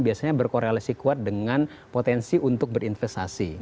biasanya berkorelasi kuat dengan potensi untuk berinvestasi